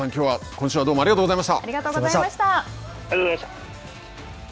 今週はどうもありがとうございました。